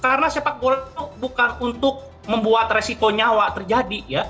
karena sepak bola itu bukan untuk membuat resiko nyawa terjadi